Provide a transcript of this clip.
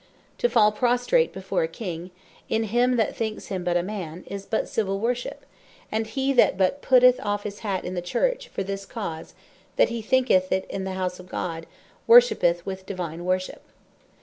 To fall prostrate before a King, in him that thinks him but a Man, is but Civill Worship: And he that but putteth off his hat in the Church, for this cause, that he thinketh it the House of God, worshippeth with Divine Worship.